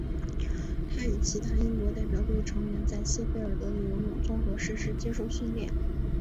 他与其他英国代表队的成员在谢菲尔德的的游泳综合设施接受训练。